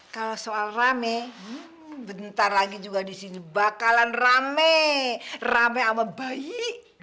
kalau soal rame bentar lagi juga di sini bakalan rame rame sama bayi